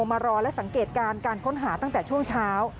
มารอและสังเกตการณ์การค้นหาตั้งแต่ช่วงเช้า